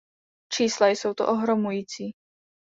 Čísla jsou to ohromující.